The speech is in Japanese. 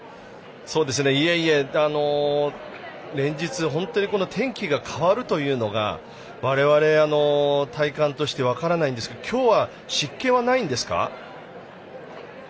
いえいえ、連日本当に天気が変わるというのが我々、体感として分からないんですが今日は、湿気はないんですか？